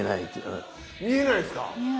見えないですか？